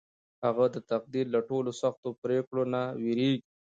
هغه د تقدیر له ټولو سختو پرېکړو نه وېرېږي.